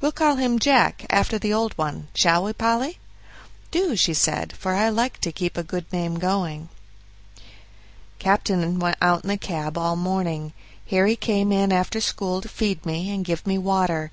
We'll call him 'Jack', after the old one shall we, Polly?" "Do," she said, "for I like to keep a good name going." Captain went out in the cab all the morning. Harry came in after school to feed me and give me water.